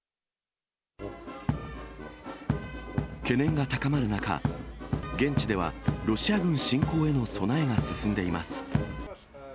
懸念が高まる中、現地では、ロシア軍侵攻への備えが進んでいます。